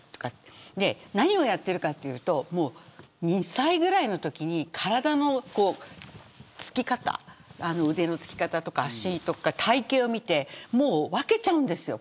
それで何をやっているかというと２歳ぐらいのときに体のつき方腕のつき方とか足とか体形を見てもう分けちゃうんですよ。